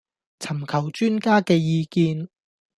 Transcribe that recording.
尋求專家嘅意見